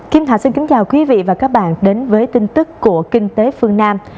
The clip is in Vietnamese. kim thạch xin kính chào quý vị và các bạn đến với tin tức của kinh tế phương nam